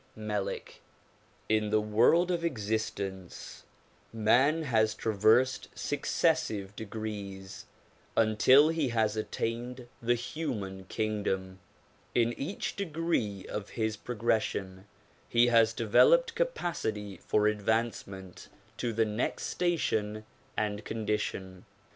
Melick IN the world of existence man has traversed successive degrees until he has attained the human kingdom. In each degree of his progression he has developed capacity for advancement to the next station and condition.